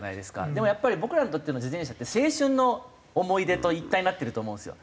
でもやっぱり僕らにとっての自転車って青春の思い出と一体になってると思うんですよ。